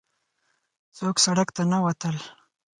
څوک سړک ته نه وتل.